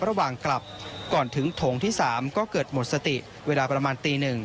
ระหว่างกลับก่อนถึงโถงที่๓ก็เกิดหมดสติเวลาประมาณตี๑